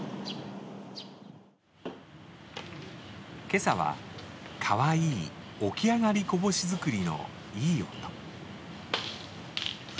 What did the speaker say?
今朝はかわいいおきあがりこぼし作りのいい音。